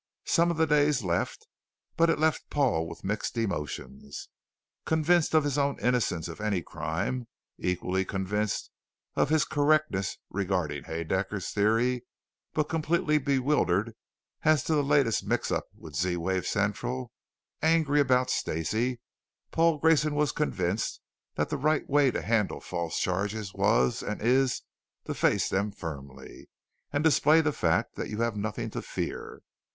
Some of the daze left, but it left Paul with mixed emotions. Convinced of his own innocence of any crime; equally convinced of his correctness regarding Haedaecker's Theory but completely bewildered as to the latest mixup with Z wave Central; angry about Stacey Paul Grayson was convinced that the right way to handle false charges was and is to face them firmly and display the fact that you have nothing to fear.